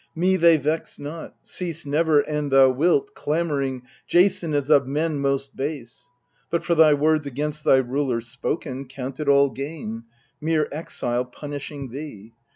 Me they vex not cease never, an thou wilt, Clamouring, " Jason is of men most base !" But, for thy words against thy rulers' spoken, Count it all gain mere exile punishing thee.